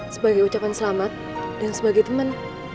sebagai ucapan selamat dan sebagai teman